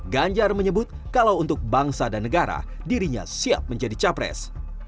ganjar menyebut kalau untuk bangsa dan negara dirinya siap menjadi capres